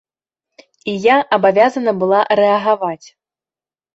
І я абавязана была рэагаваць.